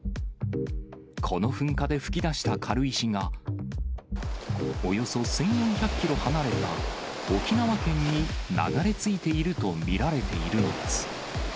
この噴火で噴き出した軽石が、およそ１４００キロ離れた沖縄県に流れ着いていると見られているのです。